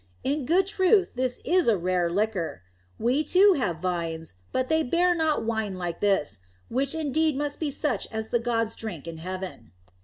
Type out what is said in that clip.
In good truth this is a rare liquor. We, too, have vines, but they bear not wine like this, which indeed must be such as the gods drink in heaven."